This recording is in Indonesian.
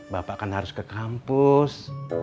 bapak kan harus ke kampus